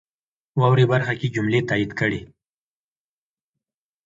واورئ برخه کې جملې تایید کړئ.